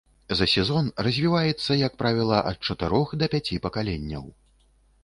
За сезон развіваецца, як правіла, ад чатырох да пяці пакаленняў.